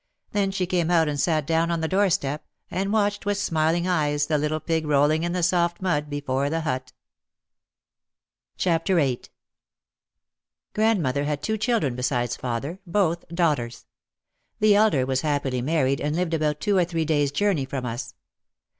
Then she came out and sat down on the door step, and watched with smiling eyes the little pig rolling in the soft mud before the hut. OUT OF THE SHADOW 29 VIII Grandmother had two children besides father, both daughters. The elder was happily married and lived about two or three days' journey from us.